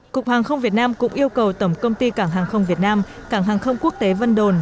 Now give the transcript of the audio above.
cục hàng không việt nam cũng yêu cầu tổng công ty cảng hàng không việt nam cảng hàng không quốc tế vân đồn